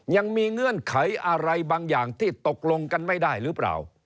เงื่อนไขอะไรบางอย่างที่ตกลงกันไม่ได้หรือเปล่า